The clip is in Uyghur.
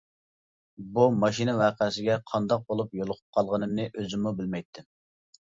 بۇ ماشىنا ۋەقەسىگە قانداق بولۇپ يولۇقۇپ قالغىنىمنى ئۆزۈممۇ بىلمەيتتىم.